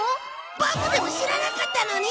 ボクでも知らなかったのに！？